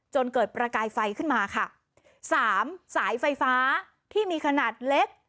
จนเกิดประกายไฟขึ้นมาค่ะสามสายไฟฟ้าที่มีขนาดเล็ก